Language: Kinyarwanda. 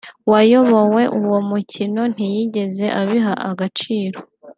wayoboye uwo mukino ntiyigeze abiha agaciro